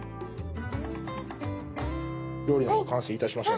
料理が完成いたしました。